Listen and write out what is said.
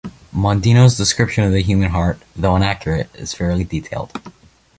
Mondino's description of the human heart, though inaccurate, is fairly detailed.